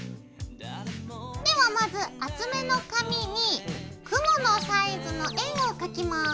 ではまず厚めの紙に雲のサイズの円を描きます。